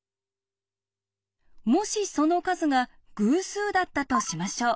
もしその数が偶数だったとしましょう。